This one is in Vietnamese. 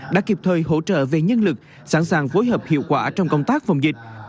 đã kịp thời hỗ trợ về nhân lực sẵn sàng phối hợp hiệu quả trong công tác phòng dịch